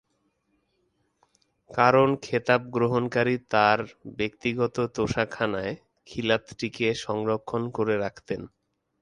কারণ খেতাব গ্রহণকারী তাঁর ব্যক্তিগত তোশাখানায় খিলাতটিকে সংরক্ষণ করে রাখতেন।